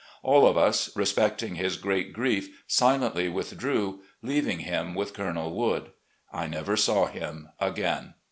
All of us, respecting his great grief, silently withdrew, leaving him with Colonel Wood. I never saw him again.